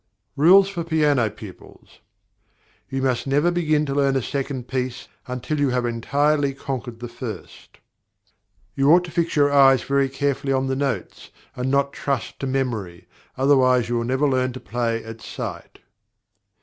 Rules for Piano Pupils. You must never begin to learn a second piece until you have entirely conquered the first. You ought to fix your eyes very carefully on the notes, and not to trust to memory; otherwise, you will never learn to play at sight.